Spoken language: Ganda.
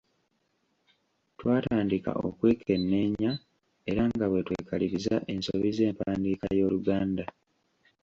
Twatandika okwekenneenya era nga bwe twekaliriza ensobi z’empandiika y’Oluganda.